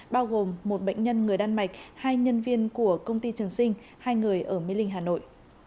bao gồm một bệnh nhân người đan mạch hai nhân viên của công ty trường sinh hai người ở mê linh hà nội